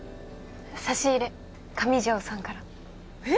差し入れ上条さんからえっ？